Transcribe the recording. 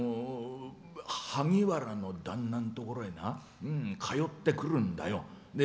萩原の旦那んところへな通ってくるんだよ。